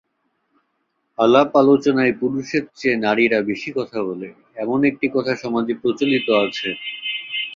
আলাপ-আলোচনায় পুরুষের চেয়ে নারীরা বেশি কথা বলে—এমন একটি কথা সমাজে প্রচলিত আছে।